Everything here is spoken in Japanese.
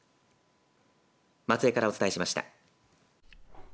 松江からお伝えしました。